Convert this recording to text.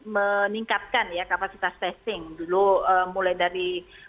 meningkatkan ya kapasitas testing dulu mulai dari